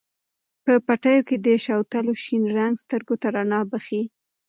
په پټیو کې د شوتلو شین رنګ سترګو ته رڼا بښي.